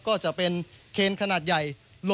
ก็จะเป็นเคนขนาดใหญ่